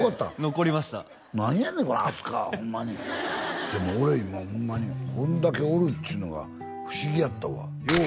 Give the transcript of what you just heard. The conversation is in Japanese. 残りました何やねん飛鳥はホンマにでも俺今ホンマにこんだけおるっちゅうのが不思議やったわよう